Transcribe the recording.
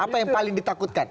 apa yang paling ditakutkan